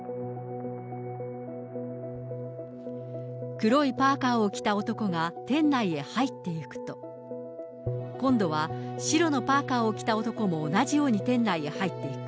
黒いパーカーを着た男が店内へ入っていくと、今度は白のパーカーを着た男も同じように店内に入っていく。